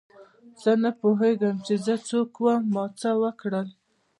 زه نه پوهېږم چې زه څوک وم او ما څه وکړل.